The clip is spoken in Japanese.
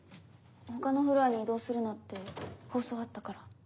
他のフロアに移動するなって放送あったから。